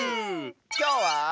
きょうは。